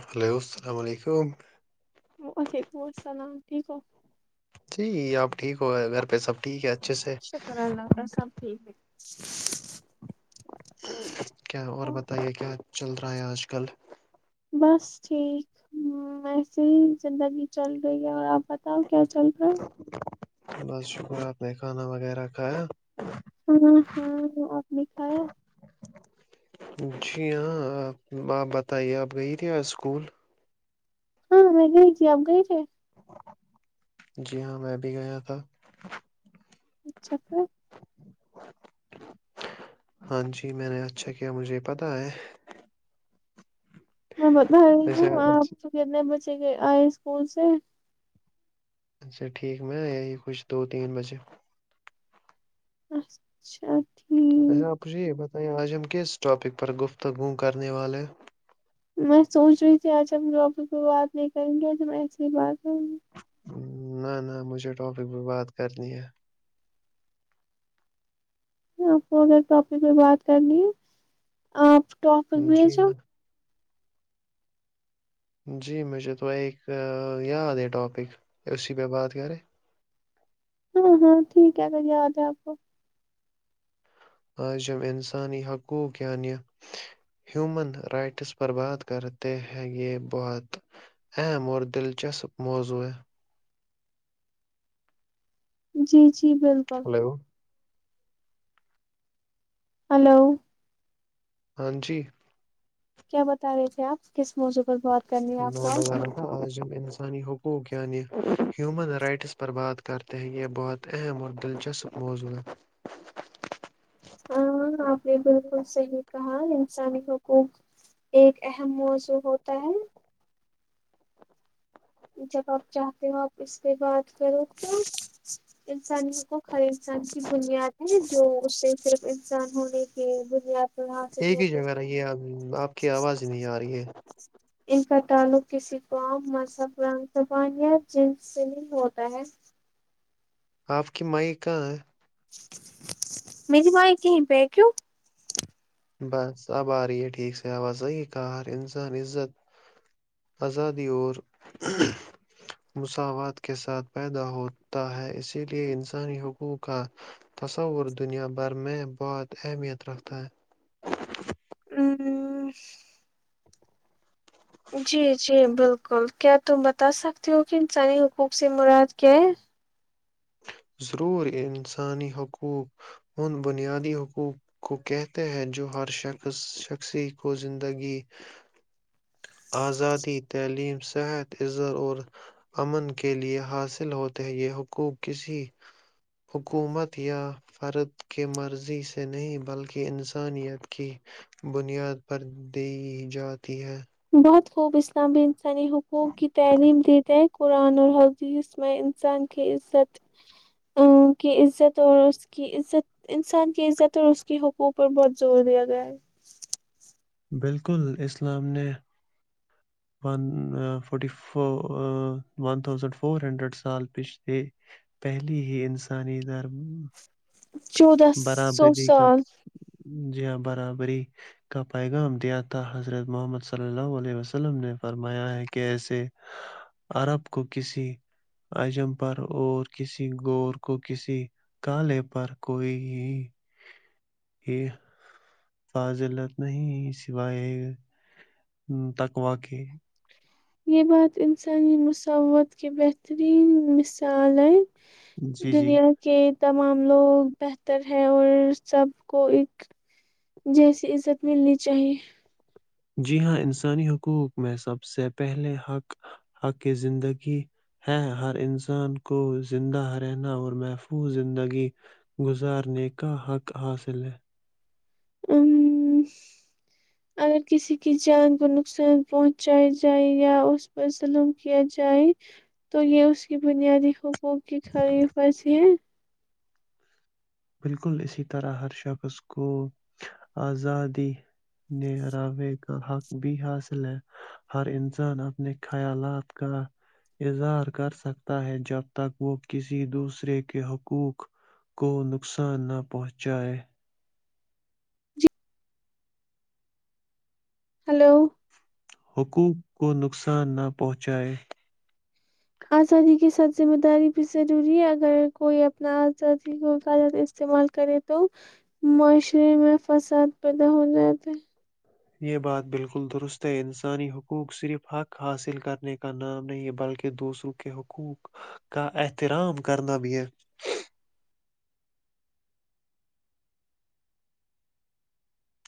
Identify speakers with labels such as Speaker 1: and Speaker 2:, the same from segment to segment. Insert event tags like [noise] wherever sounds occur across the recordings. Speaker 1: Hello اللام علیکم
Speaker 2: وعلیکم السلام ٹھیک ہو
Speaker 1: جی آپ ٹھیک ہو گئے گھر پہ سب ٹھیک ہےا
Speaker 2: شکر سپ ھم
Speaker 1: کیا اور بتائیے کیا چل رہا پرایہ اج کل
Speaker 2: بس ٹھیک ویسے ہی زندگی چل رہی ہے اور آپ بتاؤ کیا چل رہا ہے
Speaker 1: بس شکر آپ نے کھانا وغیرہ کھایا
Speaker 2: ہاں ہ دکھایا
Speaker 1: جی ہاںپ آپ بتائیے آپ گئی تھے اسکول
Speaker 2: ہاں میں گئی تھی آپ گئی تھے
Speaker 1: جی ہاں میں بھی گیا تھا
Speaker 2: اچھا پ
Speaker 1: ہاں جی میں نے اچھا کیا مجھے پت ہے
Speaker 2: میں بتا رہی ہوں
Speaker 1: اچھا
Speaker 2: آ آپ تو کتنے بچ آئے اسکول سے
Speaker 1: اچھا ٹھیک میں یہی کچھ دو تین بجے
Speaker 2: اچھا ٹھیک
Speaker 1: اچھا آپ جی بتائیے آج ہم کس ٹاپک پر گفتگو کرنے والے
Speaker 2: میں سوچ رہی تھی آج ہم واپس کو بات نہیں کریں گے آج ج ایسیے ہی بات ہوں گی
Speaker 1: نہ نہ مجھے ٹاپک پہ بات کرنی ہے
Speaker 2: آپ کو اگر ٹاپک میں بات کرنی ہے آپ ٹاپک
Speaker 1: جی
Speaker 2: بھیجو
Speaker 1: ہاں جی مجھے تو ایک یاد ہے ٹاپک اسی پہ بات کرے
Speaker 2: ہاں ہاں ٹھیک ہے پ یاد ہے آپ کو
Speaker 1: آج جب انسانی حقوق یعنی ہیومن رائٹس پر بات کرتے ہیں یہ بہت اہم اور دلچسپ موضوع ہے
Speaker 2: جی جی جی بالکل
Speaker 1: ہلو
Speaker 2: ہلو
Speaker 1: ہاں جی
Speaker 2: کیا بتا رہے تھے آپ کس موضوع پر بہت
Speaker 1: میں بازاروں سانی حقوق یعنی ہیومن رائٹس پر بات کرتے ہیں یہ بہت اہم اور دلچسپ موضوع ہے
Speaker 2: ہاں آ بھی بالکل صحی کہاں انسانی حقوق ایک اہم موضوع ہوتا ہے جب آپ چاہتے ہو آپ اس پہ بات کرو تو انسانیوں کو ہر انسان کی بنیاد ہے جو اس سے صرف انسان ہونے کی بنیاد پر حاصل
Speaker 1: ایک ہی
Speaker 2: ہوتی
Speaker 1: جگہ رہی ہے اب آپ کی آواز نہیں آ رہی ہے
Speaker 2: ان کا تعلق کسی قوم مذہب رنگ زبانیا جن سے نہیں ہوتا ہے
Speaker 1: آپ کی مائی کہاں ہے
Speaker 2: میری مائ کہیں پہ کیوں
Speaker 1: بس اب آ رہی ہے ٹھیک سے آ صحیح کہ انسان عزت آزادی اور مساوات کے ساتھ پیدا ہوتا ہے اسی لیے انسانی حقوق کا تصور دنیا بھر میں بہت اہمیت رکھتا ہے
Speaker 2: ہ جی جی بالکل کیا تم بتا سکتے ہو کہ انسانی حقوق سے مراد کیا ہے
Speaker 1: ضرور انسانی حقوق ان بنیادی حقوق کو کہتے ہیں جو ہر شخص شخصی کو زندگی آزادی تعلیم صحت ازر اور امن کے لیے حاصل ہوتے ہیں یہ حقوق کسی حکومت یا فرد کی مرضی سے نہیں بلکہ انسانیت کی بنیاد پر دی جاتی ہے
Speaker 2: بہت خوب اسلامب نی حقوق کی تعلیم دی دے قرآن اور حدیث میں انسان کی عزت ا کی عزت اور اس کی عزت انسان کی عزت اور اس کے حقوق پر بہت زور دیا گیا ہے
Speaker 1: بالکل اسلام نے ون فورٹی ف ون تھاؤزینڈ فور ہنڈریڈ سال پچھل پہلی ہی انسانی دھرم
Speaker 2: چودودہ سو سال
Speaker 1: جیا برابری کا پیغام دیا تھا حضرت محمد صلی اللہ علیہ وسلم نے فرمایا ہے کہ ایسے عرب کو کسی اجم پر اور کسی گور کو کسی کالے پر کوئی یہ فاضلت نہیں سوائے تک واقع
Speaker 2: یہ بات انسانی مسوت کی بہترین مثال ہے
Speaker 1: جی جی
Speaker 2: دنیا کے تمام لوگ بہتر ہے اور سب کو ایک جیسی عزت ملنی چاہیے
Speaker 1: جی ہاں انسانی حقوق میں سب سے پہلے حق حق زندگی ہے ہر انسان کو زندہ رہنا اور محفوظ زندگی گزارنے کا حق حاصل ہے
Speaker 2: ا اگر کسی کی جان کو نقصان پہنچیا جائے یا اس پر ظلم کیا جائے تو یہ اس کی بنیادی ح وہک کھائیے پس یہ
Speaker 1: بالکل اسی طرح ہر شخص کو آزادی نےاوے کا حق بھی حاصل ہے ہر انسان اپنے خیالات کا اظہار کر سکتا ہے جب تک وہ کسی دوسرے کے حقوق کو نقصان نہ پہنچائے
Speaker 2: ہلو
Speaker 1: حقوق کو نقصان نہ پہنچائے
Speaker 2: آزادی کے ساتھ ذمہ داری بھی ضروری ہے اگر کوئی اپنا آزادی غ استعمال کرے تو معاشرے میں فساد پیدا ہو جاتے
Speaker 1: یہ بات بالکل درست ہے انسانی حقوق صرف حق حاصل کرنے کا نام نہیں ہے بلکہ دوسروں کے حقوق کا احترام کرنا بھی ہے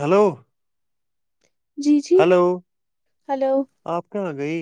Speaker 1: ہلو
Speaker 2: جی جی
Speaker 1: ہیلو
Speaker 2: ہلو
Speaker 1: آپ کہاں گئی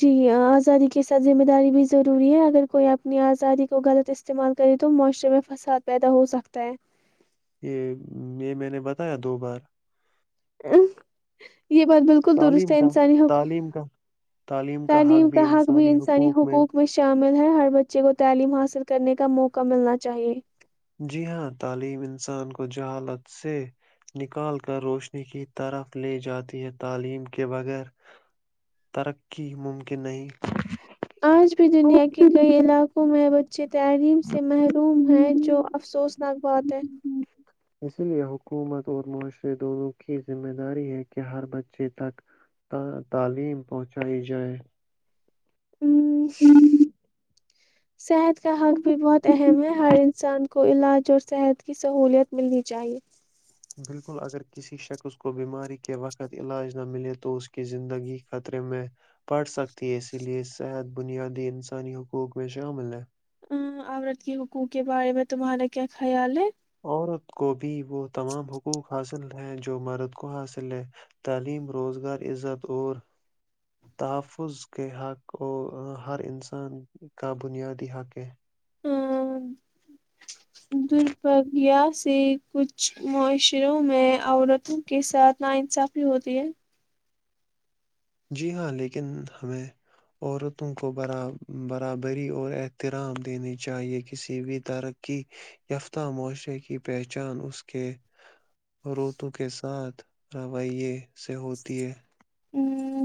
Speaker 2: جی آزادی کے ساتھ ذمہ داری بھی ضروری ہے اگر کوئی اپنی آزادی کو غلط استعمال کرے تو معاشرے میں فساد پیدا ہو سکتا ہے
Speaker 1: یہ یہ میں نے بتایا دو بار
Speaker 2: ا یہ بات بالکل درست
Speaker 1: تعلیم
Speaker 2: ہے
Speaker 1: کا
Speaker 2: انسانی حقوق
Speaker 1: تعلیم کا
Speaker 2: تعلیم کا حق بھی انسانی حقوق میں شام ہر بچے کو تعلیم حاصل کرنے کا موقع ملنا چاہیے
Speaker 1: جی ہاں تعلیم انسان کو جہالت سے نکال کر روشنی کی طرف لے جاتی ہے تعلیم کے بغیر ترقی ممکن نہیں
Speaker 2: آج بھی دنیا کے کئی علاقوں میں ب اچے تعلیم سے محروم ہے جو افسوس نک بات ہے
Speaker 1: اسی لیے حکومت اور معاشرے دونوں کی ذمہ داری ہے کہ ہر بچے تک تعلیم پہنچائی جائے
Speaker 2: ہوں صحت کا حق بھی بہت اہم ہے ہر انسان کو علاج اور صحت کی سہولت ملنی چاہیے
Speaker 1: بالکل اگر کسی شخص کو بیماری کے وقت علاج نہ ملے تو اس کی زندگی خطرے میں پڑ سکتی ہے اسی لیے صحت بنیادی انسانی حقوق میں شامل ہے
Speaker 2: ا عورت کے حقوق کے بارے میں تمہارا کیا خیال ہے
Speaker 1: عورت کو بھی وہ تمام حقوق حاصل ہیں جو مرد کو حاصل ہے تعلیم روزگار عزت اور تحفظ کے حق اور ہر انسان کا بنیادی حق ہے
Speaker 2: ہ [inaudible] دربھاگیہ سے کچھ معاشروں میں عورتوں کے ساتھ ناانصافی ہوتی ہے
Speaker 1: جی ہاں لیکن ہمیں عورتوں کو بر برابری اور احترام دینی چاہیے کسی بھی ترقی یافتہ معاشرے کی پہچان اس کے عورتوں کے ساتھ رویے سے ہوتی ہے
Speaker 2: ا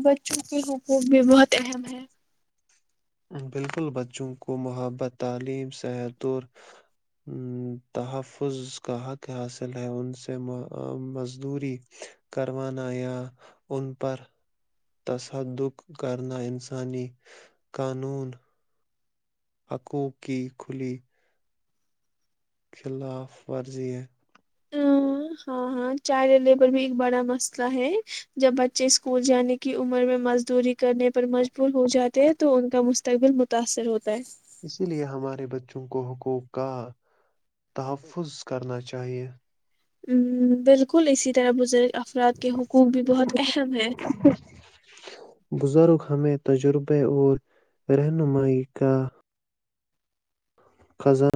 Speaker 2: بچوں کے حقوق بھی بہت اہم ہے
Speaker 1: بالکل بچوں کو محبت تعلیم صحت اور ا تحفظ کا حق حاصل ہے ان سے مزدوری کروانا یا ان پر تصدادق کرنا انسانی قانون آکوں کی کھلی خلاف ورزی ہے
Speaker 2: ہ ہاں ہاں چائلڈ لیبر بھی ایک بڑا مسئلہ ہے جب بچے اسکول جانے کی عمر میں مزدوری کرنے پر مجبور ہو جاتے ہیں تو ان کا مستقبل متاثر ہوتا ہے
Speaker 1: اسی لیے ہمارے بچے چوں کو حقوق کا تحفظ کرنا چاہیے
Speaker 2: ہ بالکل اسی طرح بزرگ افراد کے حقوق بھی بہت اہم ہے
Speaker 1: بزرگ ہمیں تجربے اور رہنمائی کا کھزان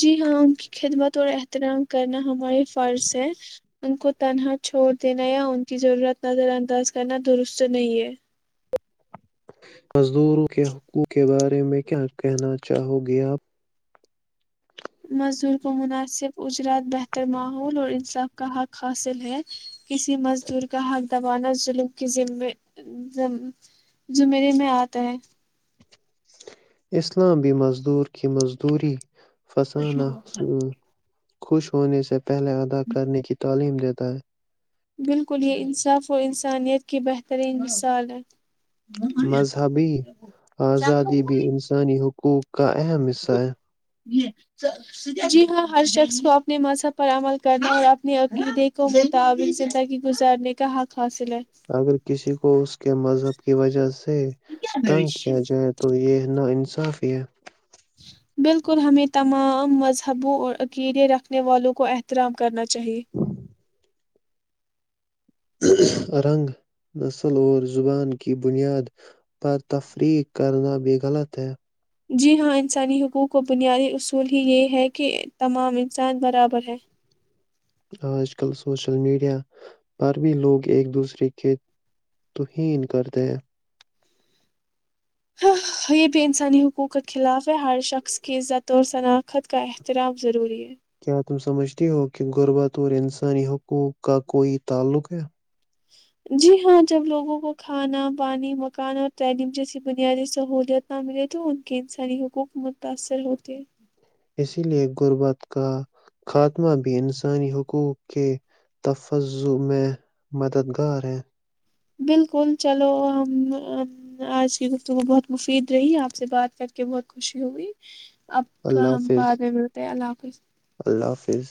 Speaker 2: جی ہاں ان کی خدمت اور احترام کرنا ہماریے فرض ہے ان کو تنہا چھوڑ دینا یا ان کی ضرورت نظر انداز کرنا درست نہیں ہے
Speaker 1: مزدوروں کے حقوق کے بارے میں کیا کہنا چاہو گے آپ؟
Speaker 2: مزدور کو مناسب اجرات بہتر ماحول اور انصاف کا حق حاصل ہے کسی مزدور کا حق دبانا ظلم زمرے میں آتا ہے
Speaker 1: اسلامی مزدور کی مزدوری فسانہ حصول خوش ہونے سے پہلے ادا کرنے کی تعلیم رہتا ہے
Speaker 2: بالکل یہ انصاف و انسانیت کی بہترین مثال ہے
Speaker 1: مذہبی آزادی بھی انسانی حکم کو [unintelligible] کا اہم حصہ ہے
Speaker 2: جی ہاں ہر شخص کو اپنے مذہب پر عمل کرنے اور اپنے عقیدے کو و م تعابون زندگی گزارنے کا حق حاصل ہے
Speaker 1: اگر کسی کو اس کے مذہب کی وجہ سے تنگ کیا جائے تو یہ نہ انصاف اک [unintelligible]
Speaker 2: بالکل ہمیں تمام مذہبوں اور عکیدے رکھنے والوں کو احترام کرنا چاہی چاہیے
Speaker 1: رنگ نسل اور زبان کی بنیاد پر تفریح کرنا بھی غلط ہے
Speaker 2: جی ہاں انسانی حقوق کو بنیادی اصول ہی یہ ہے کہ تمام انسان برابر ہیں
Speaker 1: آج کل سوشل میڈیا پر بھی لوگ ایک دوسرے کی توہین کرتے ہیں
Speaker 2: ہاں یہ بھی انسانی حقوقت خلاف ہے ہر شخص کی عزت اور شناخت کا احترام ضروری ہے
Speaker 1: کیا تم سمجھتی ہو کہ غربت اور انسانی حقوق کا کوئی تعلق ہے
Speaker 2: جی ہاں جب لوگوں کو کھانا پانی مکان اور تعلیم جیسی بنیادی سہولت نہ ملے تو ان کے انسانی حقوق متاثر ہوتے
Speaker 1: اسی لیے غربت کا خاتمہ بھی انسانی حقوق کے تفظ میں مددگار ہے
Speaker 2: بالکل چلو ہم آج کی گفتگو بہت مفید رہی آپ سے بات کر کے بہت خوشی ہوئی اب
Speaker 1: اللہ
Speaker 2: ہم
Speaker 1: حافظ
Speaker 2: باتیں ملتے اللہ حف اسس
Speaker 1: اللہ حافظ